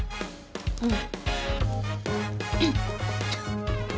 うん。